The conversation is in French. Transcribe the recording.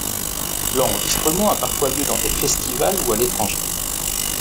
L'enregistrement a parfois lieu dans des festivals ou à l'étranger.